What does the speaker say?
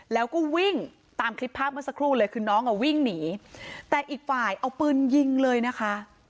แล้วก็วิ่งตามคลิปภาพเมื่อสักครู่เลยคือน้องอ่ะวิ่งหนีแต่อีกฝ่ายเอาปืนยิงเลยนะคะ